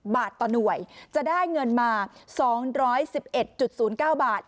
บาทต่อหน่วยจะได้เงินมา๒๑๑๐๙บาท